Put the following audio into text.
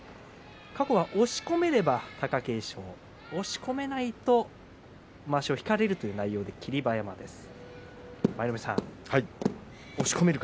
過去は押し込めれば貴景勝押し込めないとまわしを引かれて霧馬山という内容でした。